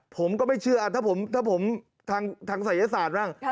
ผมก็ไม่เชื่อถ้าผมทางศัยศาสตร์บ้าง